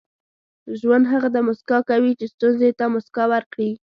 • ژوند هغه ته موسکا کوي چې ستونزې ته موسکا ورکړي.